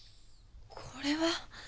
これは。